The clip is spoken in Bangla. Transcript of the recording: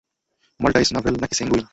মাল্টাইস, নাভেল, না কি সেঙ্গুইন?